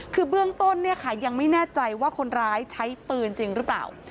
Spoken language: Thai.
คือเบื้องต้นเนี่ยค่ะยังไม่แน่ใจว่าคนร้ายใช้ปืนจริงหรือเปล่า